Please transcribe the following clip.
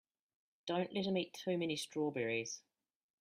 Don't let him eat too many strawberries.